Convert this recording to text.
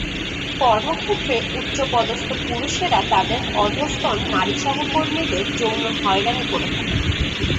কর্মক্ষেত্রে উচ্চপদস্থ পুরুষেরা তাঁদের অধস্তন নারী সহকর্মীদের যৌন হয়রানি করে থাকেন।